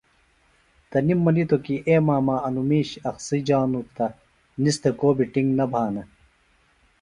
تنِم منِیتوۡ کیۡ اے ماما انوۡ مِیش اخسی جانوۡ تہ نِس تھےۡ کو ٹِنگ نہ بھانہ